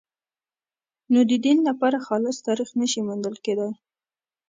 نو د دین لپاره خالص تاریخ نه شي موندل کېدای.